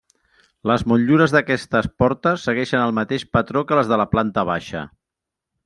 Les motllures d'aquestes portes segueixen el mateix patró que les de la planta baixa.